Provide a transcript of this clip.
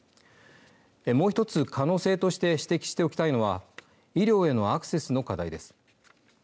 もう一つ、可能性として指摘しておきたいのは医療へのアクセスの課題です。